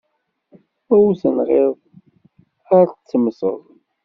Ma ur tenɣiḍ, ard ad temmteḍ.